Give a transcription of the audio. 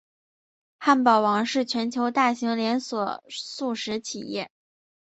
汉堡王是全球大型连锁速食企业。